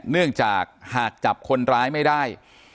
เนื่องจากหากจับคนร้ายไม่ได้